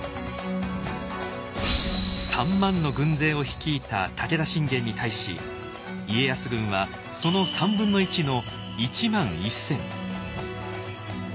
３万の軍勢を率いた武田信玄に対し家康軍はその３分の１の１万１千。